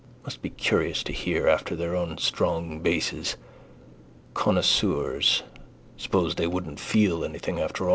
Must be curious to hear after their own strong basses. Connoisseurs. Suppose they wouldn't feel anything after.